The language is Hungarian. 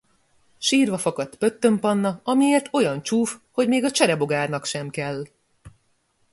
Sírva fakadt Pöttöm Panna, amiért olyan csúf, hogy még a cserebogárnak sem kell.